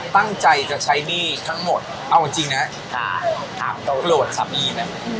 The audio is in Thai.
ตั้งใจจะใช้นี่ทั้งหมดเอาจริงนะคลดสามีเนี่ย